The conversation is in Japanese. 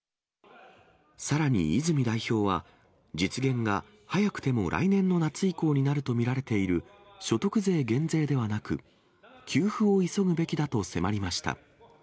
さらに泉代表は、実現が早くても来年の夏以降になると見られている、所得税減税ではなく、給付を急ぐべきだと迫りました。